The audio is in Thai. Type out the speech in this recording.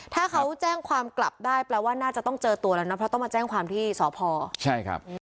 ถ้าเขาแจ้งความกลับได้แปลว่าน่าจะต้องเจอตัวแล้วนะเพราะต้องมาแจ้งความที่สพใช่ครับ